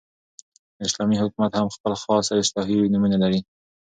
، نو اسلامي حكومت هم خپل خاص او اصطلاحي نومونه لري